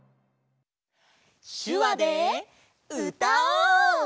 しゅわでうたおう！